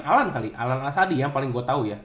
alan kali alan asadi yang paling gua tau ya